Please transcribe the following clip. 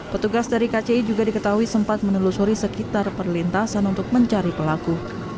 petugas dari kci juga diketahui sempat menelusuri sekitar perlintasan untuk mencari pelaku